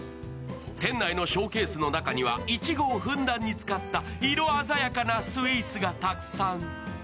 店内のショーケースの中にはいちごをふんだんに使った色鮮やかなスイーツがたくさん。